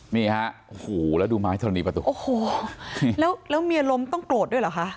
นี่ฮะโอ้โหแล้วดูไม้ธรณีประตูโอ้โหแล้วเมียล้มต้องโกรธด้วยเหรอคะ